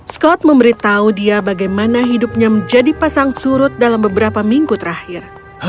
scott memberitahu dia bagaimana hidupnya menjadi pasang surut dalam beberapa minggu terakhir